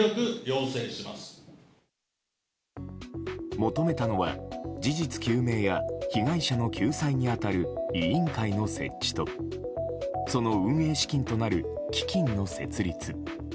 求めたのは事実究明や被害者の救済に当たる委員会の設置とその運営資金となる基金の設立。